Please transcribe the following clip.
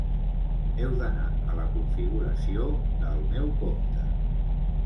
Heu d’anar a la configuració de ‘El meu compte’.